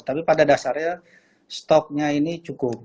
tapi pada dasarnya stoknya ini cukup